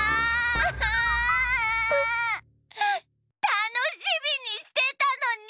たのしみにしてたのに！